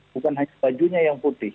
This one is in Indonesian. bukan hanya bajunya yang putih